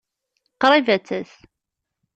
Qṛib ad tas.